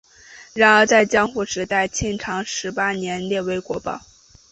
然而在江户时代庆长十八年列为国宝。